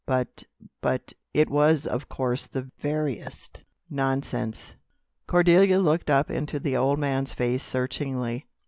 But but it was, of course, the veriest nonsense." Cordelia looked up into the old man's face searchingly.